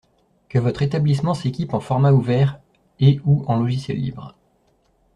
que votre établissement s'équipe en formats ouverts et ou en logiciels libres.